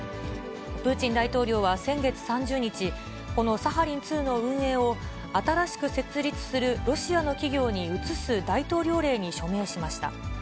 プーチン大統領は先月３０日、このサハリン２の運営を新しく設立するロシアの企業に移す大統領令に署名しました。